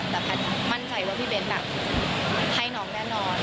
แต่แพทย์มั่นใจว่าพี่เบ้นให้น้องแน่นอน